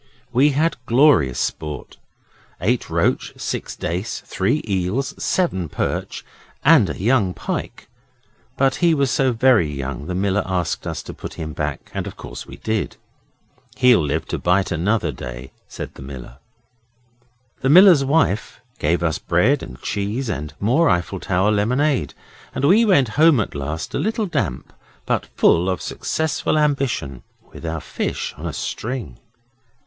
We had glorious sport eight roach, six dace, three eels, seven perch, and a young pike, but he was so very young the miller asked us to put him back, and of course we did. 'He'll live to bite another day,' said the miller. The miller's wife gave us bread and cheese and more Eiffel Tower lemonade, and we went home at last, a little damp, but full of successful ambition, with our fish on a string.